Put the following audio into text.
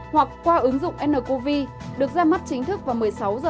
hoặc qua ứng dụng ncov được ra mắt chính thức vào một mươi sáu h ngày chín tháng ba